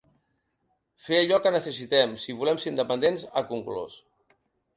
Fer allò que necessitem si volem ser independents, ha conclòs.